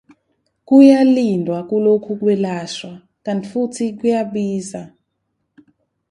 Kuyalindwa kulokhu kwelashwa kanti futhi kuyabiza.